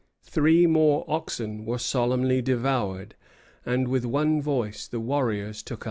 Three more oxen were solemnly devoured, and with one voice the warriors took up the hatchet.